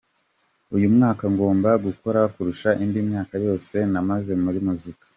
Uyu mwaka ngomba gukora kurusha indi myaka yose maze muri muzika.